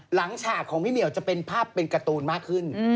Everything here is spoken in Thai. ฉากของพี่เหมียวจะเป็นภาพเป็นการ์ตูนมากขึ้น